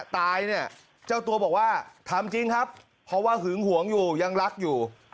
ตายเนี่ยเจ้าตัวบอกว่าทำจริงครับเพราะว่าหึงหวงอยู่ยังรักอยู่